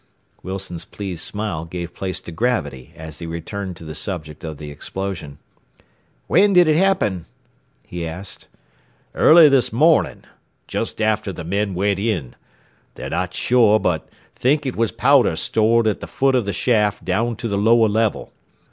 Wilson's pleased smile gave place to gravity as he returned to the subject of the explosion. "When did it happen?" he asked. "Early this morning. Just after the men went in. They're not sure, but think it was powder stored at the foot of the shaft down to the lower level.